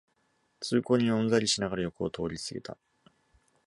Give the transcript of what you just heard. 通行人はうんざりしながら横を通りすぎた